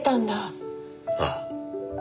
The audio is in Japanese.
ああ。